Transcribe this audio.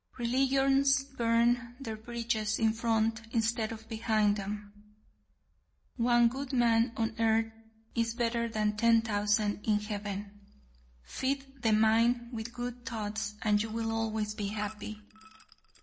Religions burn their bridges in front instead of behind them. One good man on earth is better than ten thousand in heaven. Feed the mind with good thoughts and you will always be happy.